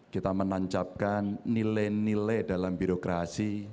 kita menancapkan nilai nilai dalam birokrasi